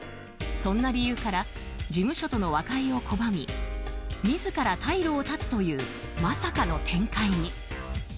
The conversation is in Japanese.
そんな理由から事務所との和解を拒み自ら退路を断つというまさかの展開に。